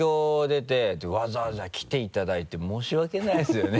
わざわざ来ていただいて申し訳ないですよね。